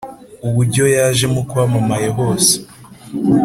uburyo yajemo kwamamaye hose